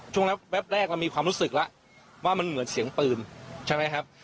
แวบแรกเรามีความรู้สึกแล้วว่ามันเหมือนเสียงปืนใช่ไหมครับ